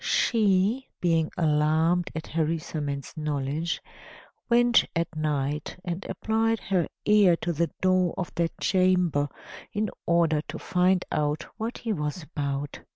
She, being alarmed at Harisarman's knowledge, went at night and applied her ear to the door of that chamber in order to find out what he was about.